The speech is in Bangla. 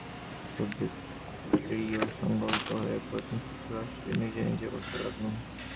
খুব দৃঢ়সঙ্কল্প হয়ে প্রথম সূত্রের ভাষ্য নিজে নিজে পড়তে লাগলুম।